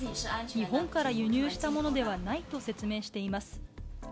日本から輸入したものではないと説明しています。